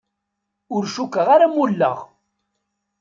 Ur cukkeɣ ara mulleɣ.